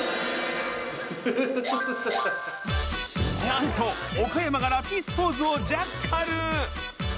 なんと岡山がラピースポーズをジャッカル！